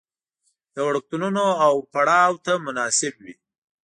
د وړکتونونو او پړاو ته مناسب وي.